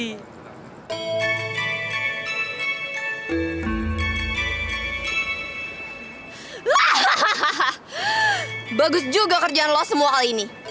hahaha bagus juga kerjaan lo semua kali ini